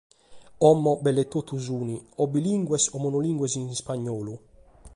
Como, belle totus sunt o bilìngues o monolìngues in ispagnolu.